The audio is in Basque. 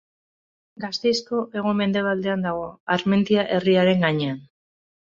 Gasteizko hego-mendebaldean dago, Armentia herriaren gainean.